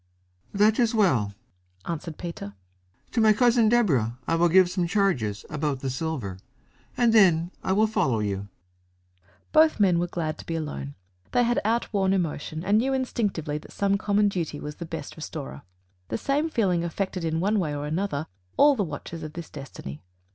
"That is well," answered Peter. "To my Cousin Deborah I will give some charges about the silver, and then I will follow you." Both men were glad to be alone. They had outworn emotion and knew instinctively that some common duty was the best restorer. The same feeling affected, in one way or another, all the watchers of this destiny.